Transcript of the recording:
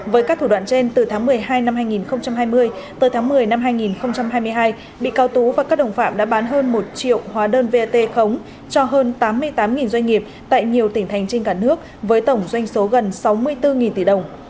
với các thủ đoạn trên từ tháng một mươi hai năm hai nghìn hai mươi tới tháng một mươi năm hai nghìn hai mươi hai bị cáo tú và các đồng phạm đã bán hơn một triệu hóa đơn vat khống cho hơn tám mươi tám doanh nghiệp tại nhiều tỉnh thành trên cả nước với tổng doanh số gần sáu mươi bốn tỷ đồng